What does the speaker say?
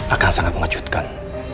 akan sangat mengejutkan